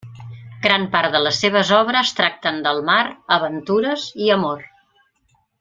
Gran part de les seves obres tracten del mar, aventures, i amor.